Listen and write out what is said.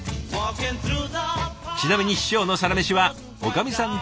ちなみに師匠のサラメシはおかみさん